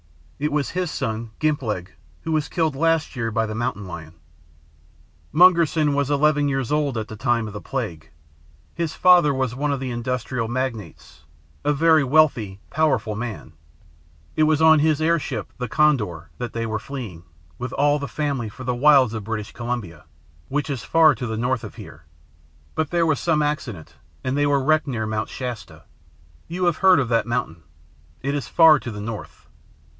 It was his son, Gimp Leg, who was killed last year by the mountain lion. "Mungerson was eleven years old at the time of the plague. His father was one of the Industrial Magnates, a very wealthy, powerful man. It was on his airship, the Condor, that they were fleeing, with all the family, for the wilds of British Columbia, which is far to the north of here. But there was some accident, and they were wrecked near Mount Shasta. You have heard of that mountain. It is far to the north.